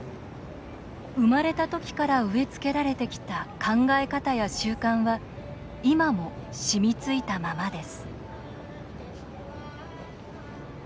生まれた時から植え付けられてきた考え方や習慣は今も染みついたままです